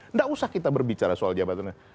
tidak usah kita berbicara soal jabatan ini